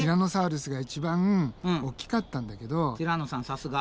さすが。